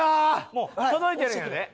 もう届いてるんやで。